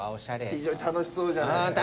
非常に楽しそうじゃないですか。